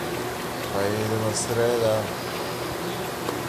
This version is shorter and breaks the film into three parts.